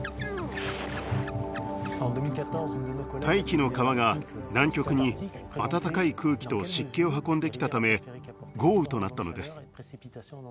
大気の川が南極に温かい空気と湿気を運んできたため豪雨となったのです。